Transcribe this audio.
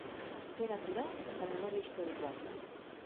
Literatura eta memoria historikoa.